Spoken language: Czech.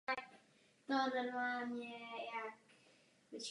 Makedonská vláda má demokratickou legitimitu.